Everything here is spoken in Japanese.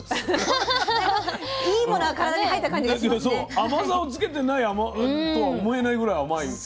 甘さをつけてないとは思えないぐらい甘いの。